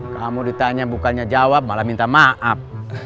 kamu ditanya bukannya jawab malah minta maaf